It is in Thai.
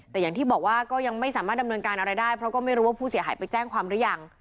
แต่อย่างที่บอกว่าก็ยังไม่สามารถดำเนินการอะไรได้เพราะก็ไม่รู้ว่าผู้เสียหายไปแจ้งความหรือยัง